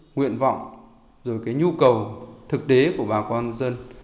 nguyện vọng rồi cái nhu cầu thực tế của bà con dân